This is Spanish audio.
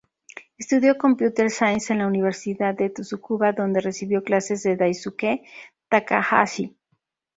Estudió computer science en la Universidad de Tsukuba, donde recibió clases de Daisuke Takahashi.